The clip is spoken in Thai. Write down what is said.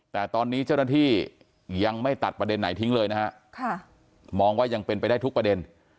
แต่ตอนนี้เจ้าหน้าที่ยังไม่ตัดประเด็นไหนทิ้งเลยนะฮะมองว่ายังเป็นไปได้ทุกประเด็น